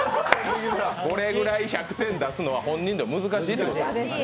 これぐらい１００点出すのは本人でも難しいってこと。